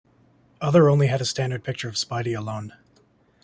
Other only had a standard picture of Spidey alone.